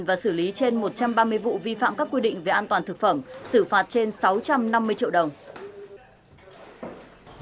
và xử lý trên một trăm ba mươi vụ vi phạm các quy định về an toàn thực phẩm xử phạt trên sáu trăm năm mươi triệu đồng